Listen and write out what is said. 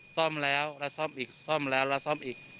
ซ่อมแล้วแล้วซ่อมอีกซ่อมแล้วแล้วซ่อมอีก